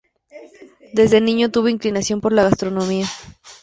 Desde niño tuvo inclinación por la gastronomía.